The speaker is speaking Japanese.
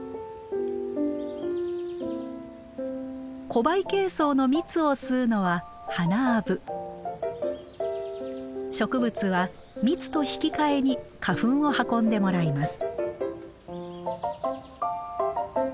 コバイケイソウの蜜を吸うのは植物は蜜と引き換えに花粉を運んでもらいます。